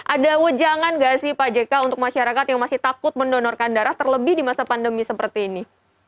ada wejangan nggak sih pak jk untuk masyarakat yang masih takut mendonorkan darah terlebih di masa pandemi seperti ini